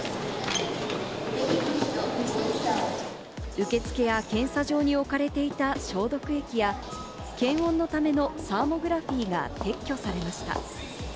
受付や検査場に置かれていた消毒液や検温ためのサーモグラフィーが撤去されました。